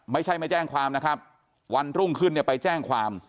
ไม่ใช่ไม่แจ้งความนะครับวันรุ่งขึ้นเนี่ยไปแจ้งความ